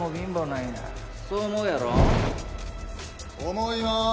思いまーす！